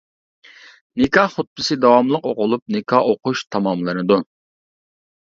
نىكاھ خۇتبىسى داۋاملىق ئوقۇلۇپ، نىكاھ ئۇقۇش تاماملىنىدۇ.